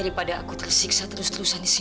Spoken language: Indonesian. daripada aku tersiksa terus terusan disini